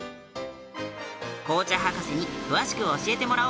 紅茶博士に詳しく教えてもらおう。